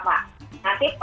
itu adalah gelas pertama